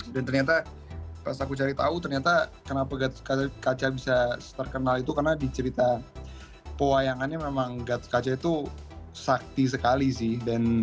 dan ternyata pas aku cari tau ternyata kenapa gatot kaca bisa terkenal itu karena di cerita pewayangannya memang gatot kaca itu sakti sekali sih